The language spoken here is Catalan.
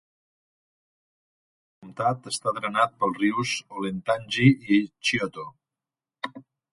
El comtat està drenat pels rius Olentangy i Scioto.